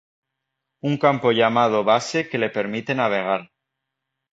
un campo llamado Base que le permite navegar